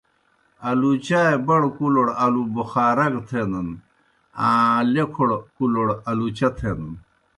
آلُوچائے بڑوْ کُلوڑ آلو بخارا گہ تھینَن، آں لیکھوْ کُلوْڑ آلوچہ تھینَن۔